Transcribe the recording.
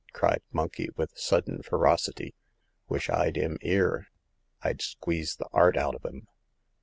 *' cried Monkey, with sudden ferocity. "Wish Td 'im *ere; Fd squeeze the 'cart out o* him